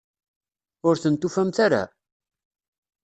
Ur ten-tufamt ara?